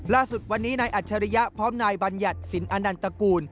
ล่าสุดวันนี้นายอัจฉริยะพร้อมนายบัญญัติสินอนันตกูล